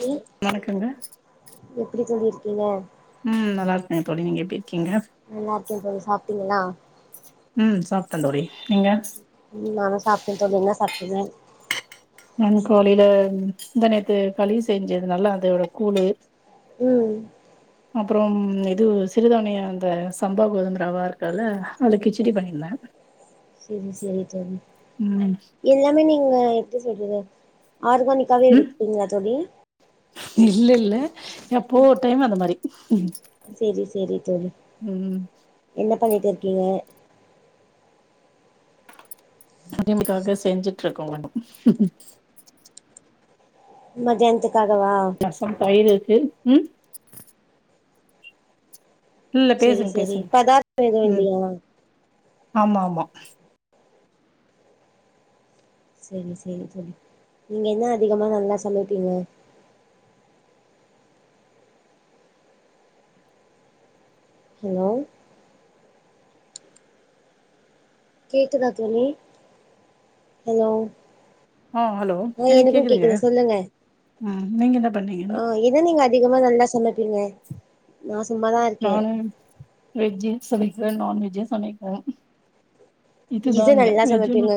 லி வணக்கங்க எப்டி சொல்லிருக் இல்ல உம் நல்லா இருக்க தோழி நீங்க எப்டி இருக்கீங்க நல்லாருக்கே தோழி சாப் டிங்களா ம் சாப்ட தோழி நீங்க உம் நானு சாப்டோ தோழி என்ன சாப்டிங்க நானு காலில முந்தா நேத்து களி செஞ்சியிருந்தேன்ல அதோட கூழு உம் அப்பறோம் இது சிறுதானயா அந்த சம்பா கோதும ரவ இருக்கால அதுல கிச்சிடி பண்ணிருந்த சேரி சேரி தோழி எல்லாமே நீங் [unintelligible] எப்டி சொல்றது ஆர்கானிக்காவே ம் எடுத்துக்கிறிங்களா தோழி இல்ல இல்ல எப்போ உம் ஒரு டைம் அந்த மாரி சேரி சேரி தோழி ம் என்ன பண்ணிட்டு இருக்கீங்க உடிமிக்காக செஞ்சுட்டுருக்கோ மத்யானதுக் நசம் பயிரு [unintelligible] ம் இல்ல சேரி பேசுங்க சேரி பேசுங்க பதார்த்தோ எதுவு ம் இல்லையா ஆமா ஆமா சேரி சேரி தோழி நீங்க என்ன அதிகமா நல்லா சமைப்பீங்க ஹலோ. கேக்குதா தோழி ஹலோ. ஆ ஹலோ ஆ எனக்கு எனக்கும் கேக்குதுங்க கேக்குது சொல்லுங்க. ம் நீங்க என்ன ஆ பண்ணீங்கன்னு எத நீங்க அதிகமா நல்லா சமைப்பீங்க மாஸ். நானு வெஜ்ஜி சமைக்கிற நான் வெஜ்ஜே சமைக்கல எது நல்லா சமைப்பீங்க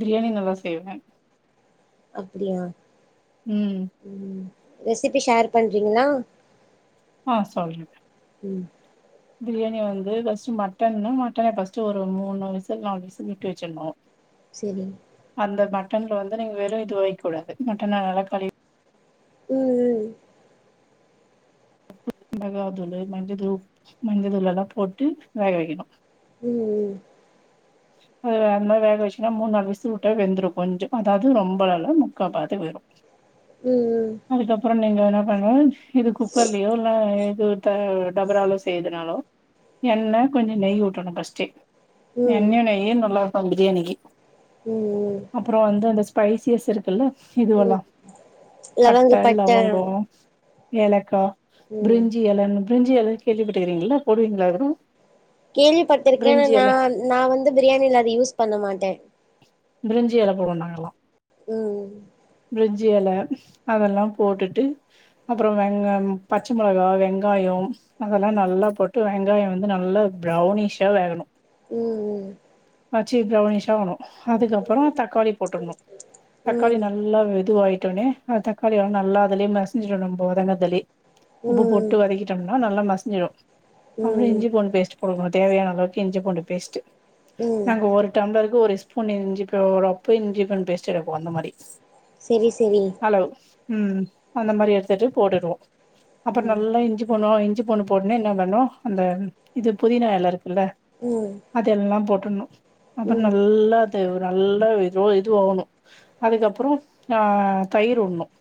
பிரியாணி நல்லா செய்வே அப்டியா ம் உம் ரெசிப்பி ஷேர் பண்றீங்ளா ஆஹ் சொல்றே பிரியாணி வந்து ஃபஸ்ட்டு மட்டன்னா மட்டன ஃபஸ்ட்டு ஒரு மூணு விசில் நாலு விசில் விட்டு வெச்சர்ணு செரி அந்த மட் மட்டன்ல வந்து நீங்க வெறு இது வெய்க் கூடாது மட்டன நல்லா கழுவி உம் உம் உப்பு மிளகா தூளு மஞ்ச தூள் மஞ்ச தூள் எல்லா போட்டு வேக வெக்கணு உம் உம் அது அந்த மார் வேக வெச்சின்னா மூண் நாலு விசில் விட்டாலே வெந்துடு கொஞ்சோ அதாவது ரொம்பல்லா இல்ல முக்கா பதத்துக் வேகு ம் ம் அதுக்கப்றோ நீங்க வேணா [unintelligible] இது குக்கர்லியோ இல்ல இது த டபரால செய்யர்துனாலோ எண்ண கொஞ்ச நெய் உட்றணு ஃபஸ்ட்டே ம் ம் எண்ண நெய்யு நல்லார் க்கு பிரியாணிக்கு ம் அப்பறோ வந்து அந்த ஸ் பைசியஸ் இருக்குல்ல உம் இதுவெல்லா பட்ட லவங்கப்பட்ட லவங்கோ ஏலக்கா ம் பிரிஞ்சி எல [unintelligible] பிரஞ்சி எல கேள்விப்பட்டுக்கறீங்களா போடுவீங்ளா அதெல்லா கேள்விப்பட்டுருக்கே ஆனா நா நா வந் து பிரியாணில அத யூஸ் பண்ண மாட்டே பிரிஞ்சி எல போடுவோ நாங்கெல்லா உம் பிரிஞ்சி எல அதெல்லா போட்டுட்டு அப்பறோ வெங்காய்ம் பச்ச மொளகா வெங்காயோ அதெல்லா நல்லா போட்டு வெங்காயோ வந்து நல்லா ப்ரௌனிஷ்ஷா வேகணு உம் உம் ஆச்சி ப்ரௌனிஷாவணு அதுக்கப்பறோ தக்காளி போட்டுர்ணு தக்காளி ம் நல்லா வெதுவாய் ட்டுனே அது தக்காளி எல்லா நல்லா அதுலே மசிஞ்சிரு நம்போ வதங்கர்தலே உப்பு ம் போட்டு வதக்கிட்டம்னா நல்லா ம சிஞ்சுரு அப்றோ ம் இஞ்சி பூண்ட் பேஸ்ட் போட [unintelligible] தேவையான அளவுக்கு இஞ்சி பூண்டு பேஸ்ட் ம் நாங்க ஒரு டம்ப்ளருக்கு ஒரு [unintelligible] அந்த மாதிரி செரி செரி ம் அந்த மாரி எடுத்துட்டு போட்டுடுவோ அப்புறோ ம் நல்லா இஞ்சி போனோ இஞ் இஞ்சி பூண்டு போடன என்ன பண்ணணு அந்த இது புதின இல இருக் இல ம் அதெல்லா போட் ன்னு அப்புறோ ம் நல்லா து நல்லா இது ஆவணு அதுக்கப்பறோ ஆ தயிர் வுடுனும்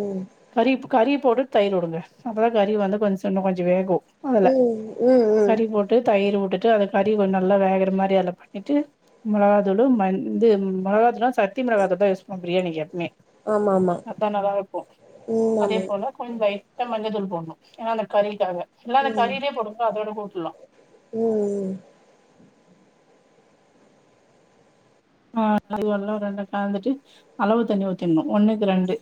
ம் கறிப் கறிப் போட்டு தயிர் வுடுங்க அப்போ தா கறி வந்து கொஞ்ச இன்னு கொஞ்ச வேகு அதுல ம் ம் ம் கறி போட்டு தயிர் வூட்டு அத கறி கொஞ்ச நல்லா வேகற மாரி அதல பண்ணிட்டு மொளகா துள்ளு மந்து மொளகா துள்ளுனா சத்தி மிளகா தூள் தா யூஸ் பிரியாணிக்கு எப்மே ஆமா ஆமா அதா நல்லா இருக்கு ம் அதே ஆமா போல [unintelligible] மஞ்ச தூள் போடுணும் ஏன்னா அந்த கறிக்காக எல்லா ம் கறியிலயே போடுங்க அதோட கூடு [unintelligible] ம் ம் ஆ அதுவல்லா ரெண்டு கலந்துட்டு அளவு தண்ணி ஊத்திடணு ஒண்ணுக்கு ரெண்டு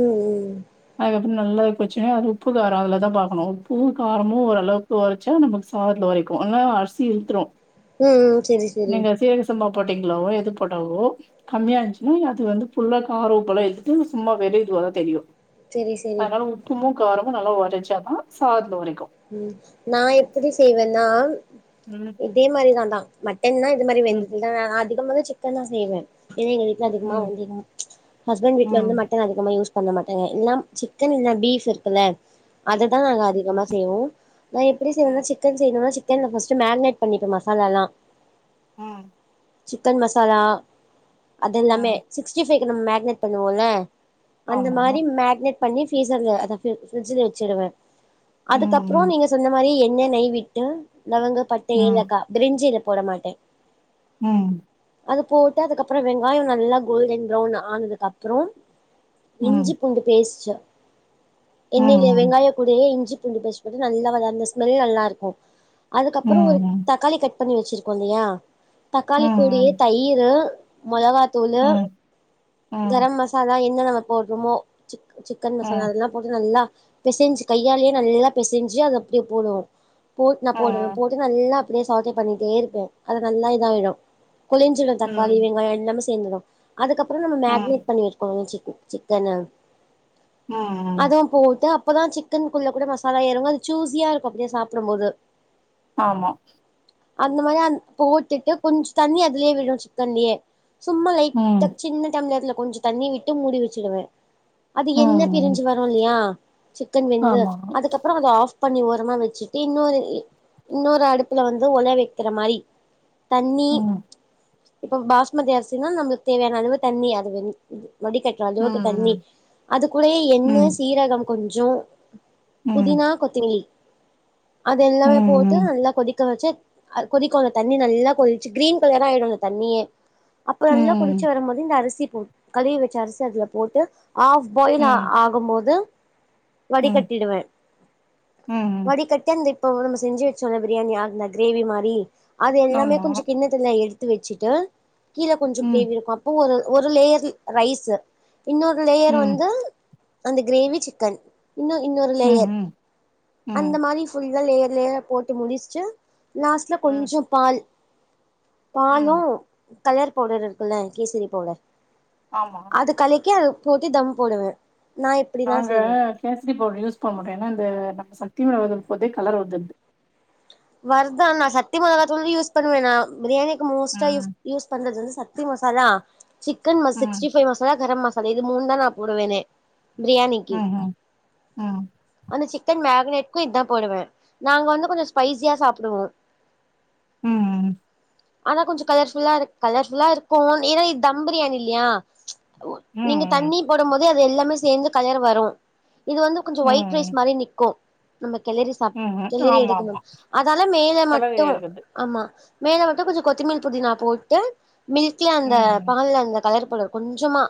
ம் ம் அதுக்கப்புற நல்லா போச்சுனா அது உப்பு காரம் அதுல தான் பாக்கணு உப்பு காரமு ஓரளவுக்கு ஒரச்சா நமக்கு சாதத்துல ஒரக்கு ஆனா அரிசி இழுத்திரு ம் ம் செரி செரி போட்டிங் அளவா எது போட்டவோ கம்மியா இருந்துச்சுன்னா அது வந்து ஃபுல்லா கார உப்பலா இழுத்து சும்மா வெறு இதுவா தா தெரியு செரி செரி அர உப்புமு காரமு நல்லா உரைச்சா தா சாதத்தில உரைக்கு ம் நான் எப்படி செய்வன்னா ம் இதே மாரிதா தா என்னா இது மாரி ம் வெந்துதா அதிகமா தா சிக்கன் தான் செய்வேன். ஏன்ன எங்க வீட்ல அதிகமா ம் வந்து ச்சு ஹஸ்பண்ட் வீட்ல ம் வந்து மட்டன் அதிக யூஸ் பண்ண மாட்டாங்க எல்லா சிக்கன் இல்லனா பீப் இருக்குல்ல அதைதான் நாங்க அதிகமா செய்வோம் நான் எப்படி ம் செய்வானா சிக்கன் செய்னுன்னா சிக் [unintelligible] பஸ்ட்டு மேரினேட் பண்ணிப்பே மசாலல்லா ம். சிக்கன் மசாலா அது இல்லாமே சிக்ஸ்டி [unintelligible] நம்ம மேக்னேட் பண்ணுவோல அந்த ஆமா மாரி ம் மேக்னெட் பண்ணி ஃப்ரீசர்ல அதா ஃப்ரிட்ஜல வச்சருவே அதுக்கப்றோ ம் நீங்க சொன்ன மாரி எ ண்ணே, நெய் விட்டு. லவங்க, பட்ட, ம் ஏலக்கா பிரிஞ்சி இல போட மாட்டே ம். அது போட்டு அதுக்கப்பறோ வெங்காயோ நல்லா கோல்டன் ப்ரௌன் ஆனதுக்கு அப்புறோ ம் இஞ்சி பூண்டு பேஸ்ட்டு ம் எண்ணெய்ல ம் வெங்காய கூடயே இஞ்சி பூண்டி பேஸ்ட்டு நல்லா வ அந்த ஸ்மெல் நல்லாஇருக்கு ம் அதுக்கப்பறோ ஒரு ம் தக்காளி கட் பண்ணி வச்சிருக்கோ இல்லையா தக்காளி கூடயே ம் தயிரு. மொளகா தூளு ம் ம் கரம் மசாலா எண் என்ன நம்ம போட்றோமோ, சிக்கன் மசாலா அதெல்லா போட்டு நல்லா பேசஞ்சி கையால்யே நல்லா பெசஞ்சி அது அப்டியே போடுவோ போட் நா போடு ம் போட்டு நல்லா அப்டியே [unintelligible] பண்ணிட்டே இருப்பே அது நல்லா இதா ஆயிடு கொலைஞ்சிடு தக்காளி வெங்காயௌ இஞ்சி சேந்துடு அதுக்கப்புறோ நம் ம் மேக்னட் பண்ணி வெக்கணு சிக்கனு ம். அதுவு போட்டு அப் இப்பதா சிக்கன் க்குள்ள கூட மசாலா எறங்கு அது ஜுஸியா இருக்கு அப்டியே சாப்புடும் போது ஆமா அந்த மாறி அ போட்டுட்டு கொஞ்சம் தண்ணி அதுலயே விடும் சிக்கன்லயே சும்மா ம் லைட்டா சின்ன டம்ளர்ல கொஞ்ச தண்ணி விட்டு மூடி வச்சுடுவேன் அது எண்ண ம் பிரிஞ்சு வரும் இல்லையா சிக்கன் வெந்து ஆமா அதுக்கப்புறம் வந்து ஆஃப் பண்ணி ஓரமா வெச்சுட்டு இன்னொரு இன்னொரு அடுப்புல வந்து ஒல வெக்கற மாறி தண்ணி ம் இப்ப பாஸ்மதி அரிசின்னா நம்மளுக்கு தேவையான அளவு தண்ணி அது வந் வடிகட்றோ அஞ்சோட்டு தண்ணி ம் அதுக்குள்ளயே எண்ணெ ம் சீரகம் கொஞ்சோ ம் புதினா கொத்தமல்லி அது ம், எல்லாமே போட்டு ம். நல்லா கொதிக்க வச்சு அ கொதிக்கு அந்த தண்ணி நல்லா கொதிச்சு கிரீன் கலரா ஆயிடு அந்த தண்ணியே அப்ப நல்லா கொதிச்சு ம், வரும்போது இந்த அரிசி ம் கழுவி வெச்ச அரிசிய அதுல போட்டு ஆஃப் பாயில் ஆ ம், ஆகும் போது ம், வடிகட் ம், வடிக்கட்டி அந் த இப்போ நம்ம செஞ்சு வெச்சோல்ல பிரியாணி அந்த கிரேவி மாரி அது ம். எல்லாமே ஆமா. கொஞ்சோ கிண்ணத்துல எடு த்து வச்சுட்டு கீழ கொஞ்சோ ம், கிரேவி இருக்கு அப்ப ஒரு ஒரு லேயர் ரைஸு இன்னொரு லேயர் ம், வந்து அந்த கிரேவி சிக்கன் இன் இன்னொரு ம், லேயர் ம், அந்த ம், மாரி ஃபுல் லா லேயர் லேயரா போட்டு முடிச்சு லாஸ்ட்ல ம், கொஞ்ச பால் பாலு ம். கலர் பவுடர் இருக்குல்ல கேசரி பவுடர் ஆமா. அது கலக்கி அது போத்தி தம் போடுவே நா இப்டிதா நாங்க செய்வே கேசரி பவுட்ரு யூஸ் பண்ண மாட்டோம் ஏன்னா இந்த ஏன்னா சக்தி மெளகா தூள் போட்றதே கலர் வந்துருது வருதா நா சத்தி மொளகாதூளும் யூஸ் பண்ணுவே நா பிரியாணி மோஸ்ட்டா யூ ம், யூஸ் பண்றது வந்து சத்தி மசாலா சிக்கன் மஸ் ம், சிக்ஸ்டி ஃபை மசாலா கர மசா இது மூணு தா நா போடுவனே பிரியாணிக்கு ம்ஹ்ம், ம், அந்த சிக்கன் மேக் நா எக்கும் இதா போடுவே நாங்க வந்து கொஞ்சோ ஸ்பைசியா சாப்டுவோ ம் ஆனா கொஞ்சோ கலர்ஃபுல்லா இரு கலர்ஃபுல்லா இருக்கும் ஏன்னா இது தம் பிரியாணி இல்லியா நீங்க ம், தண்ணி போடும் போது அது எல்லாமே சேந்து கலர் வரும் இது வந்து கொஞ்சோ ஒயிட் ரைஸ் ம், மாரி நி்க்கும் நம கெளறி சா ம்ஹ்ம். கெளறி எடுக்கணு ஆமாமா. அதால மேல கலவையில மட்டும் இருக்குது. ஆமா மேல மட்டும் கொஞ்சோ கொத்தமல்லி புதினா போட்டு மில்க்ல அந்த ம், பால்ல அந்த கலர் பவுடர் கொஞ்சமா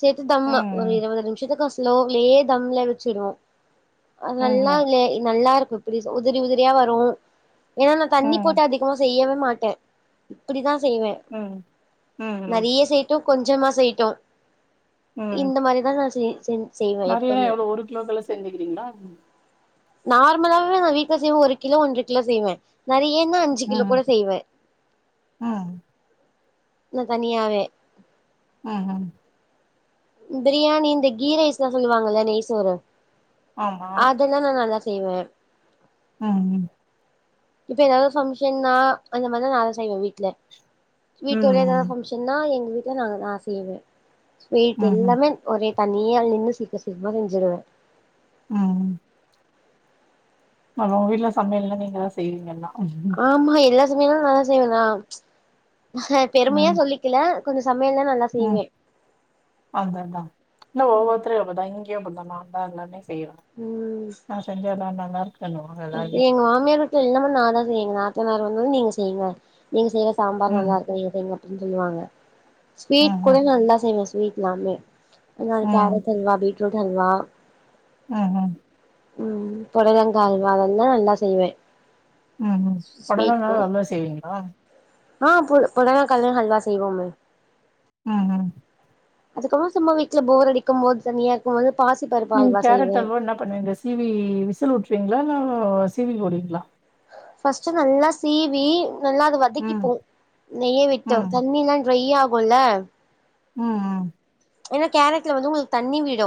சேத்து தம்மா ஒரு ம், இருவது நிம்ஷத்துக்கு ஸ்லோவுலே தம்ல வச்சுடுவோ அது நல்லா ம்ஹ்ம், இல்ல நல்லாருக்கு இப்டி உதிரி உதிரி யா வரும் ஏன்னா நா தண்ணி போட்டு ம், அதிகமா செய்யவே மாட்டேன் இப்டிதா செய்வேன் ம், ம், நறைய செய்ட்டும் கொஞ் ஜமா செய்ட்டும் ம். இந்த மாரிதா நா செய் சொல் நெறையனா எவ்ளோ ஒரு கிலோக்குகல்லா செஞ்சுக்கிறீங்களா நார்மலாவே நா வீட்ல செய்வே ஒரு கிலோ ஒன்டர கிலோ செய்வே நெறைய இன்னு அஞ்சு ம், கிலோ ம், கூட செய்வே நா தனியாவே ம் ம் பிரியாணி இந்த கீ ரைஸ்லாம் சொல்லுவாங்கல்ல நெய் சோரு ஆமா. அதல்லா நா நல்லா செய்வே ம் ம் இப்ப ஏதாவது ஃபங்க்ஷனா அந்த மாரிதா நா தா செய்வே வீட்ல வீட்டோட எதாவது ம் ம் ஃபங்க்ஷனா எங்க வீட்டுல நாங்க நா செய்வே ஸ்வீட் ம்ஹ்ம் எல்லாமே ஒரே தனியாள் நின்னு சீக்கிரம் சீக்கிரமா செஞ்சிருவே ம் ஆமா உங்க வீட்ல சமையல்னா நீங்கதா செய்வீங்கல்லாம் ஆமா எல்லா மே நல்லா செய்வ நா அபெருமையா ம் சொல்லிக்கல கொஞ்சோ சமையல்லா நல்லா ம் செய்வே அததா இல்ல ஒவ்வொருத்தரு அப்படிதா இங்கேயு அப்பதானா எல்லாமே செய்வோ நா செஞ்ச எல்லா நல்லா இருக்குன்னுவாங்க அப்டி எல்லாருமே. எங்க மாமியாரு வீட்ல எல்லாமே நான்தா செய்வங்க எங் நாத் த்தனார் வந்து நீங்க செய்யுங்க நீங்க செய்யற சாம்பார் ம் நல்லா இருக்கும் நீங்க செஞ்சா அப்டின்னு சொல்லுவாங்க ஸ்வீட் கூட ம்ஹ்ம் நல்லா செய்வ ஸ்வீட்லாமே என்ன ம் கேரட் அல்வா பீட் ரூட் ஹல்வா ம்ஹ்ம் ம் பொடலங்கா ஹல் வா எல்லா நல்லா செய்வே ம் ம் புடலங்கால ஸ்வீட்கு ஹல்வா செய்வீங்களா ஆ பு புடலங்கால்லையு ஹல்வா செய்வோமே ம் ம் அதுக்கப்பறோ சும்மா வீட்டுல போர் அடிக்கும் போது தனியா இருக்கும் போது பாசி பருப்பு நீங்க அல்வா கேரட் செய்வே அல்வா என்ன பண்ணுவீங்க சிவி விசில் விட்டுருவீங்களா ஓஹோஹோ சிவி போடுங்களா ஃபர்ஸ்ட்டு நல்லா சீவி நல்லா அது ம் வதக்கிப்போ நெய்ய விட்டு ம் தண்ணில்லா டிரை ஆ குல்ல ம் ம் ஏனா கேரட்ல வந்து உங்களுக்கு தண்ணி விடு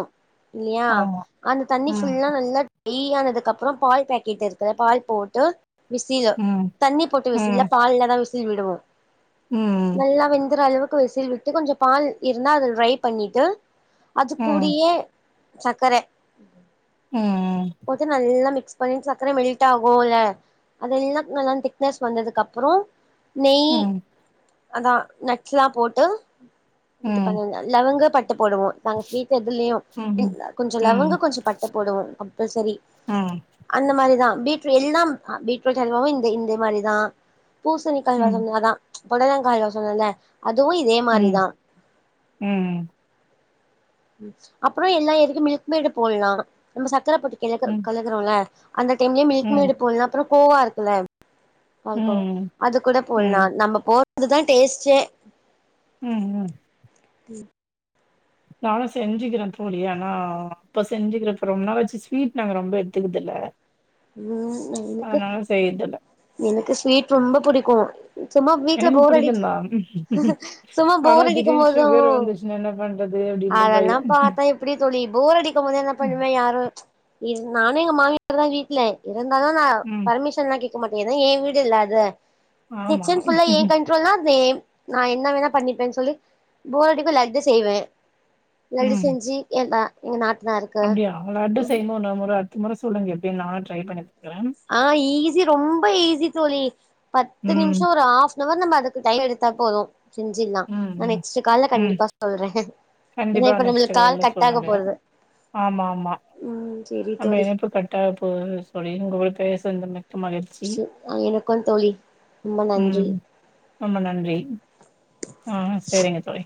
இல்லயா ஆமா. அந்த தண்ணி ம் ஃபுல்லா நல்ல ய் ஆனதுக்கு அப்புற பால் பேக்கெட்டு இருக்குல பால் போட்டு விஸ்ஸிங்கு ம் தண்ணி போட்டு ம் விஸ் இல்ல ம் பால்லாதா வி சில் விடுவோ ம் நல்லா வெந்துற அளுவு க்கு விசில் விட்டு கொஞ்ச பால் இருந்தா அதில் ரைப் பண்ணிட்டு அது ம் கூடியே சக்கரை ம் போத்து நல்லா மிக்ஸ் பண்ணி சக்கரை மெல்ட் ஆகு இல்ல அதெல்லா நல்லா திக்னஸ் வந்ததுக்கு அப்புற நெய் ம். அதா நட்ஸ்லா போட்டு இது ம் பண்ணிங்க லவங்க பட் ட போடுவோ நாங்க ஸ்வீட் எதுலயு ம் கொஞ்ச ம் லவங்க கொஞ்ச பட்டை போடுவோ கம்பல்சரி ஆ அந்த மாரிதா பீட்ர எல்லாம் பீட்ரூட் அல்வாவு இந்தே இந்தே மாரிதா பூசணிக்கா அல்வா ம் செஞ்சாதா பொடலங்காய்ல சொன்னன்ல அதுவு இதே ம் மாரிதா ம் அப்ற எல்லா இதுக்கு மில்க் மெய்டு போடலா நம்ம சக் கர போட்டு கெலக் ம் கலக்குறோல அந்த டைம்லயே மில்க் ம் மெய்டு போடலா அப்ற கோவா இருக்குல பால்கோவா ம் அது கூட ம் போடலா ம் நம்ம போ அதுதா டேஸ்ட்டே ம் ம் ம் நானு செஞ்சுக்கிற போளி ஆனா இப்ப செஞ்சுக்கிற இப்ப ரொம்ப நாள் ஆச்சு ஸ்வீட் நாங்க ரொம்ப எடுத்துக்குது இல்ல ம் எனக்கு செய்யறதில்ல எனக்கு ஸ்வீட் ரொம்ப புடிக்கு சும்மா வீட்ல எனக்கும் போர் அடி பிடிக்கும் தான் சும்மா ஆனா போர் அடிக்கு திடீர்னு போது ஒ சுகர் வந்துச்சுன்னா என்ன பண்றது அப்டின்ட்டு அதெல்லா பயம் பாத்தா எப்படி தோழி போர் அடிக்கு போது என்ன ம் பண்ணவே யாரு எ நானே எங்க மாமிய தா வீட் ல [unintelligible] இருந்தாலு நா ம். பர்மிஷன்லா கே இருக்க மாட்டே ஏனா எ வீடுல அது ஆமா கிச்சன்புல்லா ஏ கண்ட்ரோல்னா [unintelligible] நா என்ன வேணா பண்ணிப்பேன் சொல்லி போரடிக்கு லட்டு செய்வே லட்டு ம் செஞ்சு எல்லா இங்க நாட் அப்டியா லட்டு செய் [unintelligible] அந்த முற சொல்லுங்க எப்டினு நானு ட்ரை பண்ணி பா அ ஈ ஸி ரொம்ப ஈஸி தோழி பத்து ம் நிமிஷோ ஒரு ஆஃப்னவர் நம்ம க்கு டைம் எடுத்தா போது செஞ்சில்லா ம் நா ம் நெக்ஸ்ட்டு கால்ல கண்டிப்பா சொல்றே ஏன்னா கண்டிப்பாக இப்ப நெக்ஸ்ட்டு நம்மளுக்கு கால் கால்ல கட் ஆக சொல்லுங்க போறது ஆமா ஆமா ம் செரி நம்ம தோழி இணைப்பு கட் போது தோழி உங்க கூட பேசன்துமே மகிழ்ச்சி செ எனக்கும் தோழி ரொம்ப உம் நன்றி ரொம்ப நன்றி அ செரிங்க தோழி